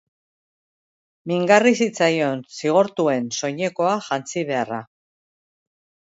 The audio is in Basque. Mingarri zitzaion zigortuen soinekoa jantzi beharra.